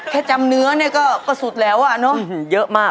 แค่จำเนื้อเนี่ยก็สุดแล้วอ่ะเนอะเยอะมาก